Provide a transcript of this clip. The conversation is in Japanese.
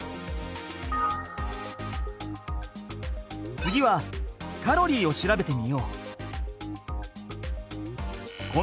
次はカロリーを調べてみよう。